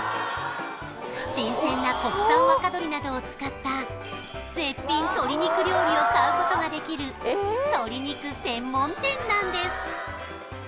新鮮な国産若鶏などを使った絶品鶏肉料理を買うことができる鶏肉専門店なんです